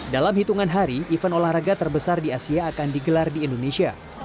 dalam hitungan hari event olahraga terbesar di asia akan digelar di indonesia